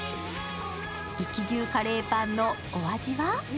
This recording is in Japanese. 壱州牛カレーパンのお味は？